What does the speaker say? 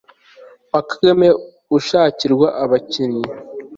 uwa kagame ushakirwa abakannyi